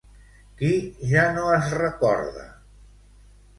Qui ja no es recorda?